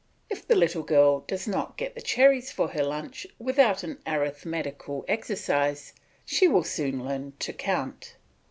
If the little girl does not get the cherries for her lunch without an arithmetical exercise, she will soon learn to count.